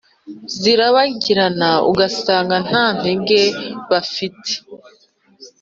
Zirabangiza ugasanga nta ntege bafite